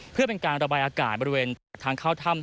เพื่อเป็นการระบายอากาศในทางเข้าถ้ำ